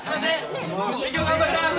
勉強頑張ります。